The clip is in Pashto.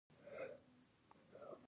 سمسور افغانستان